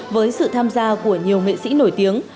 với sự tham gia của nhiều nghệ sĩ nổi tiếng